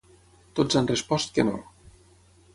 Tots han respost que no.